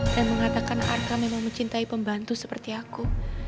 dan mengatakan arka memang mencintai pembantu seperti aku